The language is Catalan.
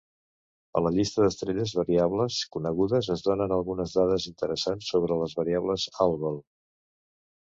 A la llista d'estrelles variables conegudes es donen algunes dades interessants sobre les variables Algol.